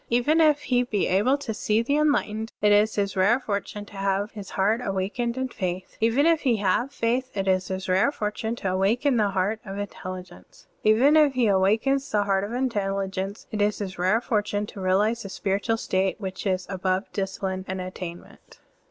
Even if he be able to see the enlightened, it is his rare fortune to have his heart awakened in faith. Even if he have faith, it is his rare fortune to awaken the heart of intelligence. Even if he awakens the heart of intelligence, it is his rare fortune to Kt I Cor. xi, 3, 7, 8, 9. Digitized by Google THE SUTRA OP FORTY TWO CHAPTERS 19 realize a spiritual state which is above discipline and attainment."